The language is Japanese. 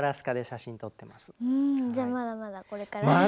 うんじゃあまだまだこれからですね。